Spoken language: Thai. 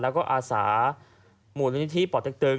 แล้วก็อาสาหมู่ลนิธิปลอดเต็ม